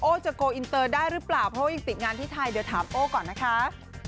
จะโกลอินเตอร์ได้หรือเปล่าเพราะว่ายังติดงานที่ไทยเดี๋ยวถามโอ้ก่อนนะคะ